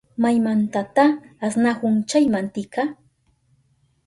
¿Maymantata asnahun chay mantika?